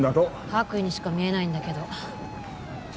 白衣にしか見えないんだけど。